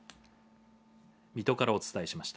水戸からお伝えしました。